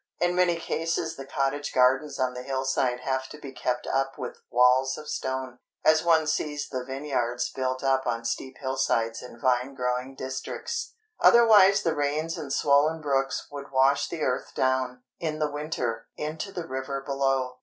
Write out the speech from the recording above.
In many cases the cottage gardens on the hill side have to be kept up with walls of stone—as one sees the vineyards built up on steep hill sides in vine growing districts—otherwise the rains and swollen brooks would wash the earth down, in the winter, into the river below.